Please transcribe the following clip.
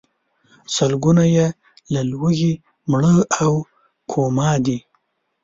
سلګونه یې له لوږې مړه او کوما دي.